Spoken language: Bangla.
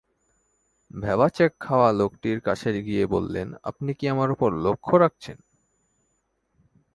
ভ্যাবাচ্যাক খাওয়া লোকটির কাছে গিয়ে বললেন, আপনি কি আমার ওপর লক্ষ রাখছেন?